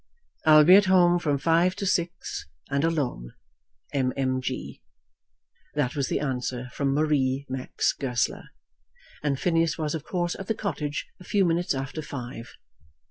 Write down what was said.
"I will be at home from five to six, and alone. M. M. G." That was the answer from Marie Max Goesler, and Phineas was of course at the cottage a few minutes after five.